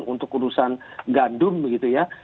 untuk urusan gandum gitu ya